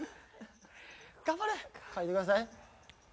・頑張れっ・嗅いでください